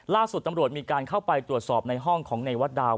ล่าสุดตำรวจมีการเข้าไปตรวจสอบในห้องของในวัดดาว